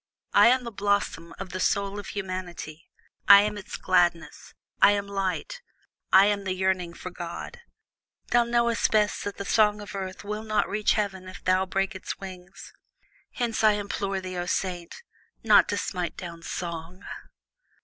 I am the blossom of the soul of humanity; I am its gladness; I am light; I am the yearning for God. Thou knowest best that the song of earth will not reach heaven if thou break its wings. Hence I implore thee, O saint, not to smite down Song."